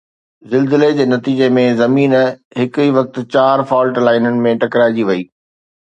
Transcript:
زلزلي جي نتيجي ۾ زمين هڪ ئي وقت چار فالٽ لائينن ۾ ٽڪرائجي وئي.